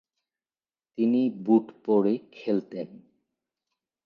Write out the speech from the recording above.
তিনি বুট পরে খেলতেন।